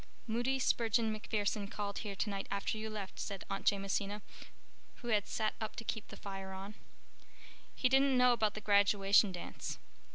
"Moody Spurgeon MacPherson called here tonight after you left," said Aunt Jamesina, who had sat up to keep the fire on. "He didn't know about the graduation dance.